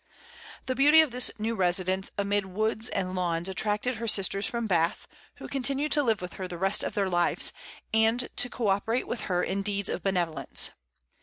The beauty of this new residence amid woods and lawns attracted her sisters from Bath, who continued to live with her the rest of their lives, and to co operate with her in deeds of benevolence.